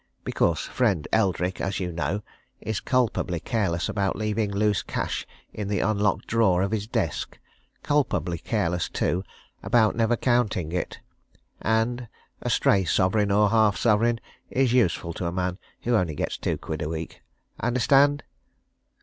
Because friend Eldrick, as you know, is culpably careless about leaving loose cash in the unlocked drawer of his desk, culpably careless, too, about never counting it. And a stray sovereign or half sovereign is useful to a man who only gets two quid a week. Understand?"